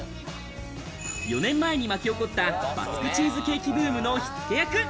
４年前に巻き起こった、バスクチーズケーキブームの火付け役。